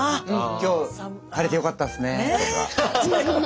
「今日晴れてよかったっすね」とか。